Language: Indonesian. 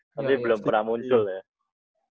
tapi belum pernah muncul ya